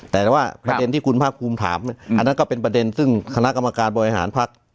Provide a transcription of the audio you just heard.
แต่ว่าประเด็นที่คุณภาคภูมิถามอันนั้นก็เป็นประเด็นซึ่งคณะกรรมการบริหารภักดิ์